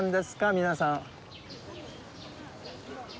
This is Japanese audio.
皆さん。